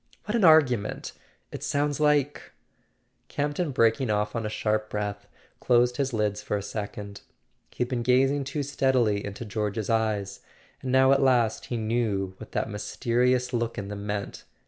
"What an argument! It sounds like " Camp ton, breaking off on a sharp breath, closed his lids for a second. He had been gazing too steadily into George's eyes, and now at last he knew what that mysterious look in them meant.